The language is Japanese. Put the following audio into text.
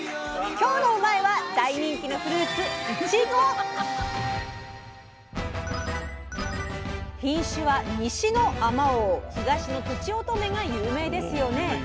今日の「うまいッ！」は大人気のフルーツ品種は西のあまおう東のとちおとめが有名ですよね。